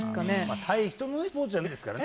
対人とのスポーツじゃないですからね。